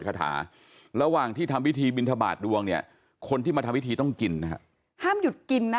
คาถาระหว่างที่ทำพิธีบินทบาทดวงเนี่ยคนที่มาทำพิธีต้องกินนะฮะห้ามหยุดกินนะ